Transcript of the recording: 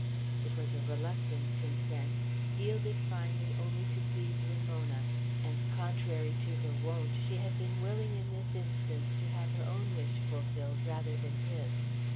It was a reluctant consent, yielded finally only to please Ramona; and, contrary to her wont, she had been willing in this instance to have her own wish fulfilled rather than his.